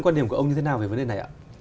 quan điểm của ông như thế nào về vấn đề này ạ